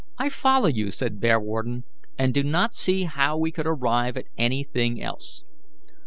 "I follow you," said Bearwarden, "and do not see how we could arrive at anything else.